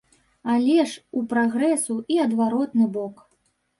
Але ж у прагрэсу і адваротны бок.